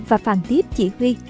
và phàng tiếp chỉ huy